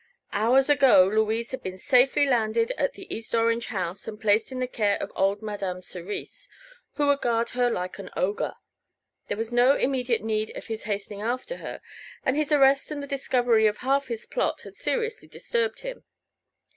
Hours ago Louise had been safely landed at the East Orange house and placed in the care of old Madame Cerise, who would guard her like an ogre. There was no immediate need of his hastening after her, and his arrest and the discovery of half his plot had seriously disturbed him.